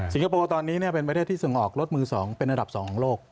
คโปร์ตอนนี้เป็นประเทศที่ส่งออกรถมือ๒เป็นอันดับ๒ของโลก